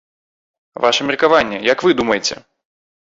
Ваша меркаванне, як вы думаеце?